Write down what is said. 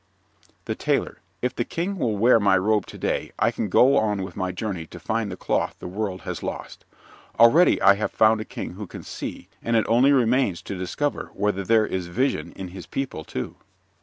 THE TAILOR If the King will wear my robe to day I can go on with my journey to find the cloth the world has lost. Already I have found a King who can see, and it only remains to discover whether there is vision in his people, too.